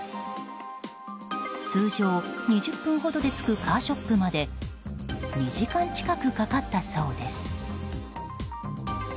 通常、２０分ほどで着くカーショップまで２時間近くかかったそうです。